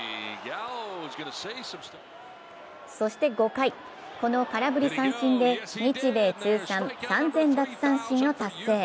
そして５回、この空振り三振で日米通算３０００奪三振を達成。